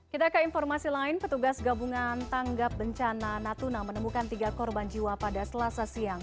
kita ke informasi lain petugas gabungan tanggap bencana natuna menemukan tiga korban jiwa pada selasa siang